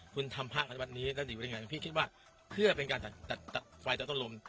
คุณทำพ่อเติบในวัดนี้เพื่อเป็นการสรรพากษ์จะต้นลง